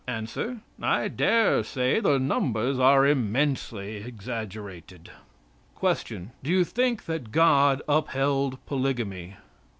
A. "I dare say the numbers are immensely exaggerated." Q. Do you think that God upheld polygamy?